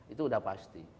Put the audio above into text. itu udah pasti